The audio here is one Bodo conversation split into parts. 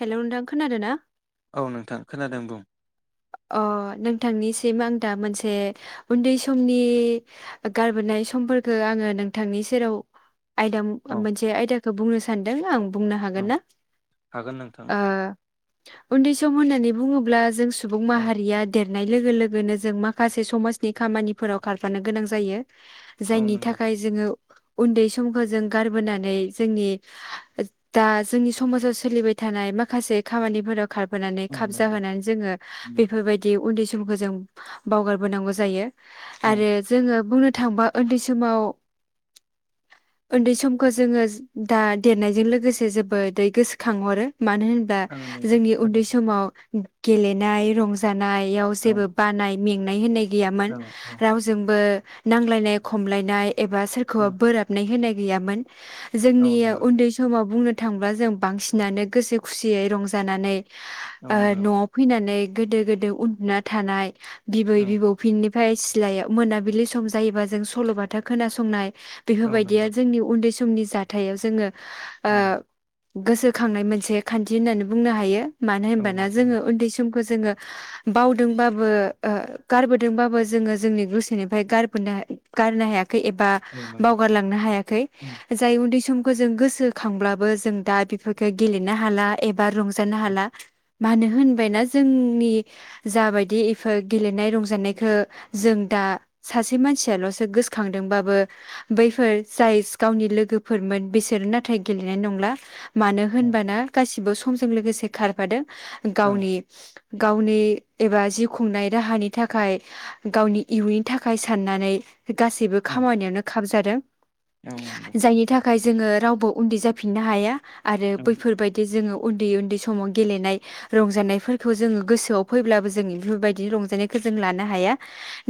हेलौ नोंथां खोनादों ना? औ नोंथां खोनादों बुं। अह नोंथांनिसिम आं दा मोनसे उन्दै समनि ओ गारबोनाय समफोरखो आङो नोंथांनि सेराव आयदा औ मो-मोनसे आयदाखौ बुंनो सा नदों आं बुंनो हागोन औ ना हागोन नोंथां ओ उन्दै सम होननानै बुङोब्ला जों सुबुं औ माहारिया देर नाय लोगो लोगोनो जों माखासे समाजनि खामानिफोराव खारफानो गोनां जायो। औ जायनि नंगौ थाखाय जोङो उन्दै समखौ जों गारबोनानै जोंनि दा जोंनि समाजाव सोलिबाय थानाय माखासे खामानिफोराव खारफोनानै औ नंगौ खाबजाहोनानै जोङो नंगौ बेफोरबायदि उन्दै समखौ जों बावगारबोनांगौ जायो। औ आरो जोङो बुंनो थांबा ओन्दै समाव ओन्दै समखो जोङो दा देरनायजों लोगोसे जोबोदै गोसोखांहरो। मानो होनबा आङो नोंथां जोंनि उन्दै थारैनो समाव गेले नाय, रंजाना याव औ जेबो बानाय मेंनाय होननाय गैयामोन औ रावजोंबो नांलायनाय, खमलायनाय एबा सोरखौबा बोराबनाय होननाय गैयामोन। औ जोंनि नंगौ उन्दै समाव बुंनो थांब्ला जों बांसिनानो गोसो खुसियै रंजानानै औ ओ नंगौ न' नानै गोदो गोदो उन्दुना थानाय बिबै औ बिबौ फिननो ओमफ्राय सिलायाव मोनाबिलि सम जायोबा जों सल'बाथा खोनासंनाय औ बेफोरबायदिया नंगौ जोंनि उन्दै सम समनि जाथायाव जोङो ओ औ गोसोखांनाय मोनसे खान्थि होननानै बुंनो हायो। मानो औ होनबाना नंगौ जोङो नोंथां उन्दै जोङो बावदोंबाबो ओ गारबोदोंबाबो जोङो जोंनि गोसोनिफ्रायार गारनो हायाखै एबा औ नंगौ बावगारलांनो हायाखै औ जाय उन्दै सम जों गोसोखांब्लाबो जों दा बेफोरखौ गेलेनो हाला एबा रंजानो हाला मानो होनबायना जोंनि जाबायदि इफोर गेलेनाय रंजानायखौ जों दा सासे मानसियाल'सो गोसोखांदोंबाबो बैफोर जाय गावनि लोगोफोरमोन बिसोरो नाथाय गेलेनाय नंला। मानो औ होनबाना गासिबो समजों लोगोसे खारफादों औ गावनि गावनि एबा जिउ खुंनाय राहानि थाखाय गावनि इयुननि थाखाय साननानै गासैबो नंगौ औ खामानियावानो खाब जा दों औ नंगौ थाखाय जोङो रावबो उन्दै जाफिननो हाया। आरो उम बैफोरबायदि जोङो उन्दै उन्दै समाव गेलेनाय रंजानायफोर जों गोसोआव फैब्लाबो जों बेफोरबायदिनो रजानायखौ जों लानो हाया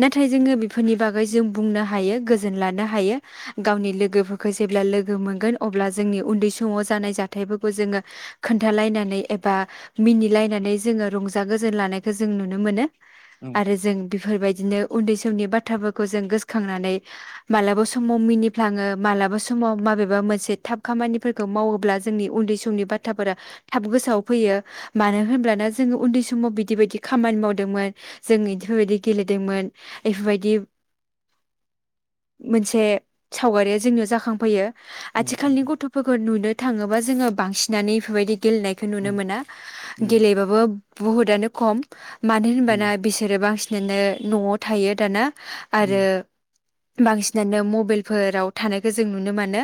नाथाय जोङो बेफोरनि बागै जों बुंनो हायो गोजोन लानो हायो गावनि लोगोफोरखौ जेब्ला लोगो मोनगोन अब्ला जोंनि उन्दै समाव जानाय जाथायफोरखौ जोङो खोन्थालायनानै एबा मिनिलायनानै जोङो रंजा गोजोन लानायखौ जों नुनो मोनो। उम आरो जों बेफोरबायदिनो उन्दै समनि बाथ्राफोरखौ जों गोसोखांनानै मालाबा समाव मिनिफ्लाङो मालाबा समाव माबेबा मोनसे थाब खामानिफोरखौ मावोब्ला जोंनि उन्दै समनि बाथ्राफोरा थाब गोसोआव फैयो मानो होनब्लाना जोङो उन्दै समाव बिदि बायदि खामानि मावदोंमोन जों बेदिफोरबायदि गेलेदोंमोन बेफोरबायदि मोनसे सावगारिया जोंनियाव जाखांफैयो उम औ आथिखालनि गथ'फोरखौ नुनो थाङोबा जोङो बांसिनानो एफोरबायदि गेलेनायखौ नुनो मोना गेलेबाबो बुहुतआनो खम मानो होनबाना नंगौ बिसोरो बांसिन बिदिनो न'आव थायो दाना आरो बांसिनानो मबाइलफोराव थानायखौ जों नुनो मोनो।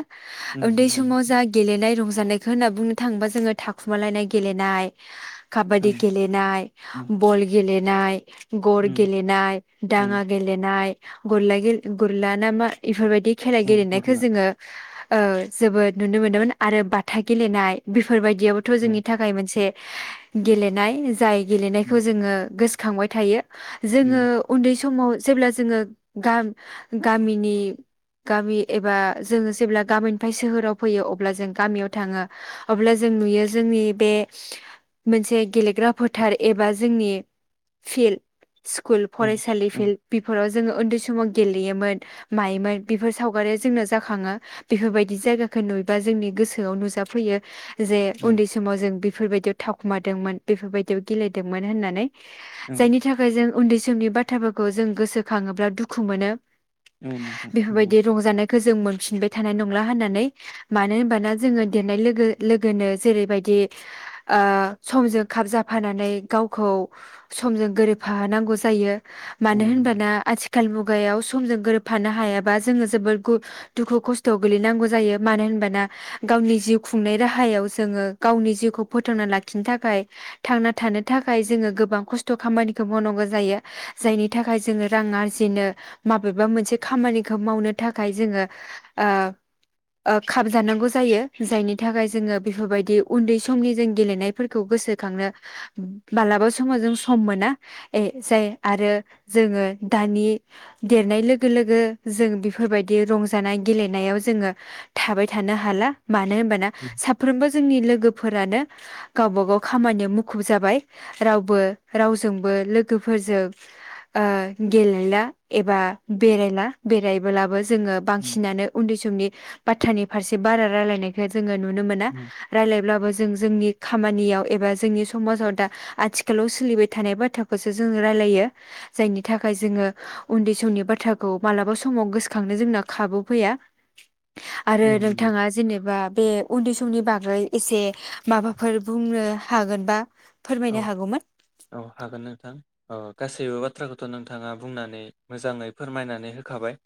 उन्दै समाव औ जा गेलेनाय रंजानाय जानायखौ होनना बुंनो थाङोबा जोङो थाखुमालायनाय गेलेनाय औ काबादि नाय बल गे गेलेनाय गर उम गेलेनाय उम दांङा गेलेनाय गरलाइ गेले गरला ना मा इफोरबायदि बे खेला औ गेलेनायखौ बोरला जोङो ओ जोबोद नुनो मोनदोंमोन आरो बाथा गेलेनाय। बे फोरबायदियाबोथ' औ जोंनि थाखाय मोनसे गेले नाय जायो गेलेनायखौ उम जोङो गोसो खांबाय थायो। जोङो उम उन्दै सम समाव जेब्ला जोङो गाम गामिनि गामि एबा जोङो जेब्ला गामिनिफ्राय सोहोराव फैयो अब्ला जों गामियाव थांङो अब्ला जों नुयो जोंनि बे मोनसे गेलेग्रा फोथार एबा जोंनि फिल्ड स्कुल औ फरायसालि औ फिलद बेफोराव जों जोङो उन्दै समाव गेलेयोमोन मायोमोन बेफोर सावगारिया जोंना जाखांङो बेफोरबायदि जायगाखौ नुयोबा जोंनि गोसोआव नुजाफैयो जे उन्दै समाव जों बि बेफोरबायदियाव थाखुमादोंमोन बेफोरबायदियाव गेलेदोंमोन होननानै औ जायनि थाखाय जों उन्दै समनि बाथ्राफोरखौ जों गोसोखांङोब्ला दुखु मोनो‌। औ नोंथां नंगौ खौ जों मोनफिनबाय थानाय नंला होननानै मानो होनबाना जोङो देरनाय लोगो लोगोनो जेरैबायदि आ समजों खाब जाफानानै गावखौ समजों गोरोबफाहोनांगौ जायो औ मानो नंगौ होनबाना आथिख आथिखाल मुगायाव समजों गोरोबफानो हायाबा जोङो जोबोर गु दुखु खस्थ' गोलैनांगौ जायो मानो होनबाना गावनि जिउ खुंनाय राहायाव जोङो गावनि जिउखौ फोथांना लाखिनो थाखाय थांना थानो थाखाय जोङो गोबां खस्थ' खामानिखौ मावनांगौ जायो जायनि थाखाय जोङो रां आरजिनो माबेबा मोनसे खामानिखौ मावनो थाखाय जोङो आ आ खाबजानांगौ जायो जायनि थाखाय जोङो बेफोरबायदि उन्दै समनि जों गेलेनायफोरखौ गोसो खांनो मालाबा समाव जों सम मोना ए जाय आरो जोङो दानि देरनाय लोगो लोगो जों बेफोरबायदि रंजानाय गेलेनायाव जोङो थाबाय थानो हाला मानो होनबा ना उम साफ्रोमबो जोंनि लोगो फोरानो गावबा गाव खामानियाव मुखुब जाबाय रावबो रावजोंबो लोगोफोरजों ओ गेलेला एबा बेरायला बेरायबोलाबो जोङो उम बांसिनानो उन्दै समनि बाथ्रानि फारसे बारा रायलायनायखो जोङो नुनो मोना उम रायलायब्लाबो जों जोंनि खामानियाव एबा जोंनि समाजाव दा आथिखालाव सोलिबाय थानाय बाथ्राखौसो जोङो रायलायो जायनि थाखाय जोङो उन्दै समनि बाथ्राखौ मालाबा समाव गोसोखांनो जोंना खाबु फैया आरो उम उम नोंथाङा जेनेबा बे उन्दै स समनि बागै एसे माबाफोर बुंनो हागोनबा औ फोरमायनो हागौमोन औ हागोन नोंथां ओ गासैबो बाथ थ्राखौथ' नोंथाङा बुंनानै मोजाङै फोरमायनानै होखाबाय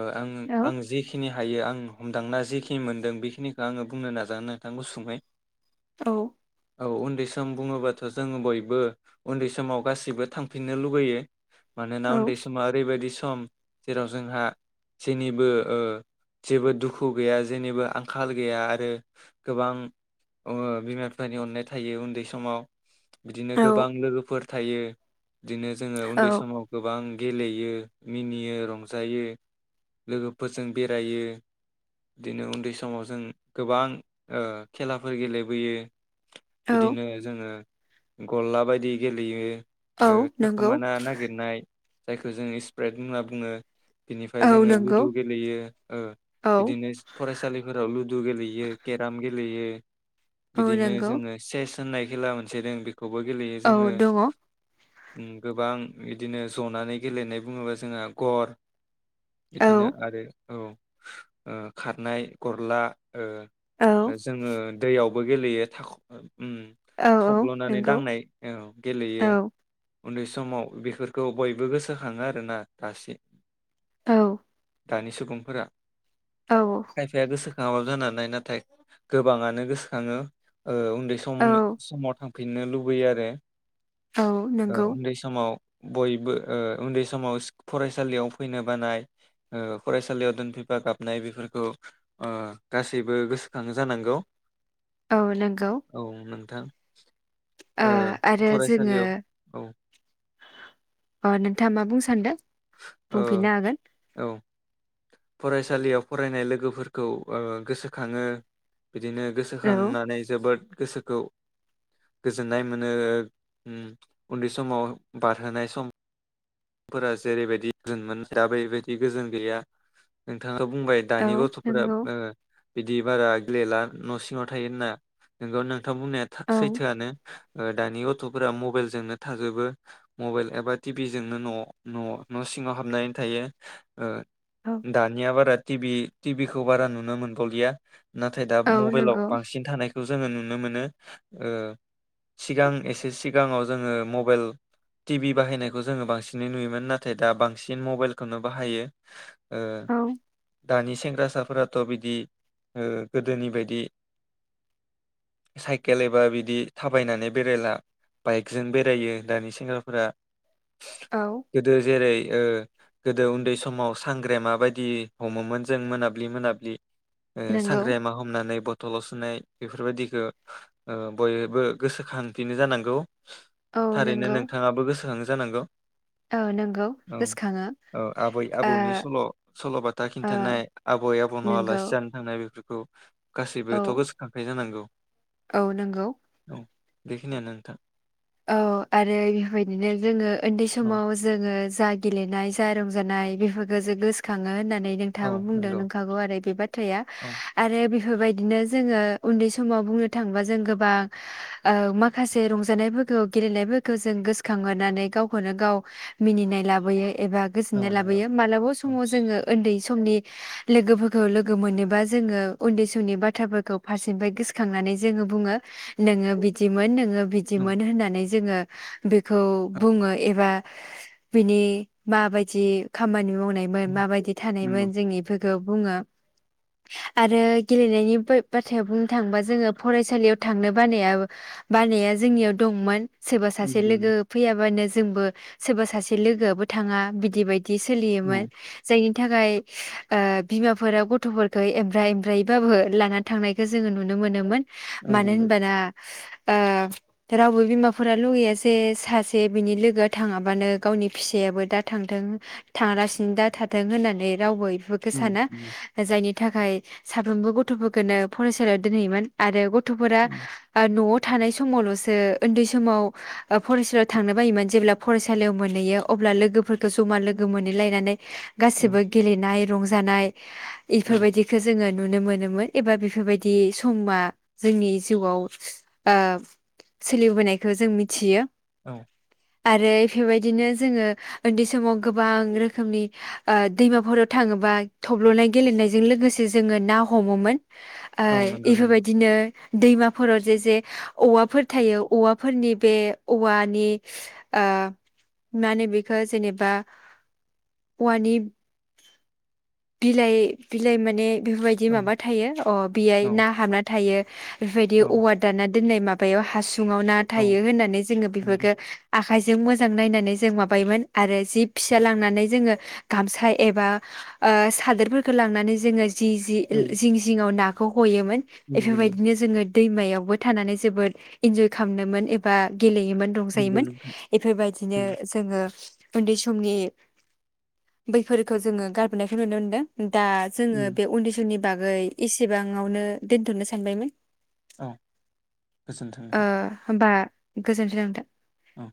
ओ आं औ आं जेखिनि हायो आं हमदांना जेखिनि मोनदों बेखिनिखौ आङो बुंनो नाजागोन नोंथां गुसुङै औ औ उन्दै सम बुङोबा थ' जोङो बयबो उन्दै समाव गासिबो थांफिननो लुुबैयो मानोना औ उन्दै समा ओरैबायदि स सम जेराव जोंहा जेनिबो ओ जेबो दुखु गैया जेनिबो आंखाल गैया आरो गोबां ओ बिमा बिफानि अननाय थायो उन्दै समाव बिदिनो औ गोबां लोगोफोर थायो बिदिनो जोङो उन्दै औ समाव गोबां गेलेयो मिनियो रंजायो लोगोफोरजों बेरायो बिदिनो उन्दै समाव जों गोबां ओ खेलाफोर गेलेबोयो औ बिदिनो जोङो गलला बायदि गेलेयो औ ओ नंगौ थाखुमाना नागिरनाय जायखो जों स्प्रेड होनना बुङो बिनिफाय औ जोङो नंगौ लुदु गेलेयो ओ औ बिदिनो फरायसालिफोराव लुदु गेलेयो केराम गे लेयो औ बिदिनो नंगौ जोङो सेस होननाय खेला मोन से दों बिख खौबो गेलेयो औ जोङो दङ उम गोबां इदिनो जनानै गेलेनाय बुङोबा जोंहा गर औ बिदिनो औ आरो औ ओ खारनाय गरला ओ ओ जोङो दैयाव बो गेलेयो थाखु औ औ थब्ल'नानै नंगौ दांनाय औ औ गेलेयो। उन्दै समाव बेफोरखौ बयबो गोसोखाङो आरोना दासे औ। दानि सुबुंफोरा औ [unintelligible] नाव जानानै नाथाय गोबाङानो गोसोखाङो। ओ उन्दै औ समनो समाव थांफिननो लुबैयो आरो। औ ओ नंगौ उन्दै समाव बयबो ओ उन्दै समाव फरायसालियाव फैनो बानाय ओ फरायसालियाव दोनफैफा गाबनाय बेफोरखौ ओ गासैबो गोसोखांओ जानांगौ। औ नोंगौ। थां। [unintelligible] ओ आरो जोङो औ अ नोंथाङा मा बुंनो सानदों। औ बुंफिननो हागोन औ। फरायसालियाव फरायनाय लोगोफोरखौ गोसोखाङो। बिदिनो औ गोसोखांनानै जोबोद गोसोखौ गोजोननाय मोनो उन्दै समाव बारहोनाय सम फोरा जेरैबायदि गोजोन मोन दा बेबायदि गोजोन गैया नोंथाङा बुंबाय औ दानि गथ'फोरा नंगौ ओ बिदि बारा गेलेला न' सिङाव थायोहोनना नोंगौ नों थां बुंनाया औ सैथोआनो ओ दानि गथ'फोरा मबाइल जोंनो थाजोबो मबाइल एबा टि भि जों नो न' न' न' सिङाव हाबनानै थायो ओ औ दानिया बारा टिभि टिभिखौ बारा नुनो मोनबावलिया। नाथाय दा औ मबाइलाव नंगौ बांसिन थानाय खौ जोङो नुनो मोनो ओ सिगां एसे सिगाङाव जोङो मबाइल टि भि बाहायनायखौ जोङो बांसि सिनै नुयोमोन नाथाय दा बांसिन मबाइलखौनो बाहायो। ओ औ दानि सेंग्रासाफोराथ' बिदि ओ गोदोनि बायदि साइकेल एबा बिदि थाबायनानै बेरायला बाइकजों बेरायो दानि सेंग्राफोरा। औ गोदो जेरै ओ गोदो उन्दै समाव सांग्रेमा बायदि हमोमोन जों मोनाब्लि मोनाब्लि ओ नंगौ सांग्रे मा हमनानै थल' सुनाय बेफोरबायदिखो ओ बयबो गोसोखांफिनो जानांगौ। औ थारैनो नंगौ नोंथाङाबो गोसोखाङो जानांगौ। औ औ नंगौ गोसोखाङो ओ आबै ओ आबौनि सल-सल'बाथा ओ खिन्थानाय आबै आबौ नाव नंगौ आलासि जानो थांनाय बेफोर औ औ गासैबोथ' गोसखांखायो जानांगौ। औ नंगौ। औ बेखिनियानो नोंथां औ आरो इफोर बायदिनो जोङो ओन्दै औ समाव जोङो जा गेलेनाय जा रंजानाय बेफोरखौसो गोसोखाङो होननानै नानै औ नोंथाङाबो बुंदों नंगौ नंखागौ आरो बे बाथ्राया औ आरो बे बेफोरबायदिनो जोङो उन्दै समाव बुंनो थाङोबा जों गोबां ओ माखासे रंजानायफोर खौ गेलेनायफोरखौ जों गोसखांहरनानै गावखौनो गाव मिनिनाय लाबोयो एबा औ गोजोननाय नंगौ लाबोयो मालाबा औ समाव जोङो ओन्दै समनि लोगोफोरखौ लोगो मोनोबा जोङो उन्दै समनि बाथ्राफोरखौ फारसेनिफ्राय गोसखांनानै जोङो बुङो नोङो बिदिमोन नोङो औ बिदिमोन होननानै जोङो बेखौ बुङो एबा बिनि माबायदि खामानि मावनायमोन माबायदि थानायमोन नंगौ औ जों इफोर खौ बुङो आरो गेलेनायनि बा-बाथायाव बुंनो थाङोबा जोङो फरायसालियाव थांनो बानाया बानाया जोंनियाव दंमोन। सोरबा औ सासे नंगौ लोगो फैयाबानो जोंबो सोरबा सासे लोगोआबो थाङा बिदि बायदि दि औ सोलियोमोन जायनि बिनि थाखाय ओ बिमाफोरा गथ'फोरखौ एमब्रा एमब्रायैबाबो लानानै थांनायखौ जोङो नुनो मोनोमोन। औ मानो होनबाना ओ रावबो बिमाफोरा लुगैया जे सासे बिनि लोगोआ थाङाबानो गावनि फिसायाबो दा थांथों थाङालासिनो दा थाथों होननानै रावबो बेफोरखौ साना जायनि थाखाय साफ्रोमबो गथ'फोरखौनो फरायसालियाव दोनहैयोमोन आरो गथ गथ'फोरा ओ न' थानाय समावल'सो ओ ओन्दै समाव ओ फरायसालियाव थांनो बायोमोन जेब्ला फरायसालियाव मोनहैयो अब्ला लोगोफोरखौ जमा लोगो मोनहैलायनानै गासिबो गेलेनाय रंजानाय औ इफोरबायदिखो जोङो नुनो मोनोमोन एबा बेफोरबायदि स'मा जोंनि जिउआव ओ सोलिबोनायखो जों मिथियो औ आरो बेबायदिनो जोङो उन्दै समाव गोबां रोखोमनि ओ दैमाफोराव थाङोबा थब्ल'नाय गेलेनायजों लोगोसे जोङो ना हमोमोन ओ औ नंगौ नंगौ औ इफोरबायदिनो दैमाफोराव जे जे औवा फोर थायो औवाफोरनि बे औवानि ओ मा होनो बेखौ जेनेबा औवानि बिलाइ बिलाइ माने बेफोरबायदि औ माबा थायो अ बेयाय ना हाबना थायो। बेफोरबायदि औ औवा दानना दोननाय मा बायाव हा सुंआव ना औ नंगौ औ थायो होननानै जोङो बेफोरखो आखाइजों मोजां नायनानै जों माबायोमोन आरो जि फिसा लांनानै जोङो गामसा एबा ओ सादोरफोरखो लांनानै जोङो जि-जि-जिं जिं आव ना हयोमोन नंगौ नंगौ इफोरबायदिनो जोङो दैमायावबो थानानै जोबोद इन्जय खामनोमोन एबा गेलेयोमोन नंगौ रंजायोमोन नोंथां इफोरबायदिनो औ जोङो उन्दै समनि बैफोरखो जोङो गारबोनायखो नुनो मोनदो दा जोङो बे उन्दै समनि बागै इसेबांआवनो दोनथ'नो सानबायमोन। औ ओ होमबा गोजोन्थो नोंथां औ